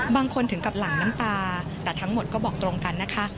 ถึงกับหลั่งน้ำตาแต่ทั้งหมดก็บอกตรงกันนะคะ